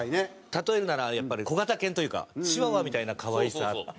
例えるならやっぱり小型犬というかチワワみたいな可愛さあって。